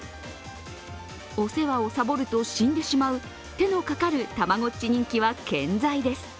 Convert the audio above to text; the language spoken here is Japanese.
お世話をさぼると死んでしまう手のかかるたまごっち人気は健在です。